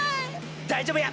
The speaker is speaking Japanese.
大丈夫や！